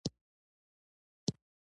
دولس کاله د پښتنو عام قتلونه او وژنې وشوې.